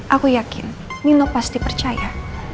aku yakin nino pasti percaya